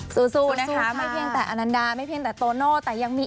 สู้นะคะไม่เพียงแต่อานันดาไม่เพียงแต่โตนอกแต่ยังมีอีกหลายความสุขนะครับ